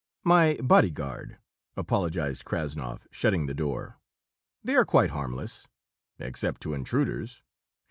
"My bodyguard," apologized Krassnov, shutting the door. "They are quite harmless, except to intruders.